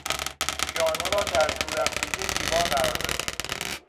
پیانو را در تورفتگی دیوار قرار دادیم.